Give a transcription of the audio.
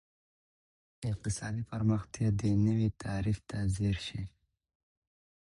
د اقتصادي پرمختیا دې نوي تعریف ته ځیر شئ.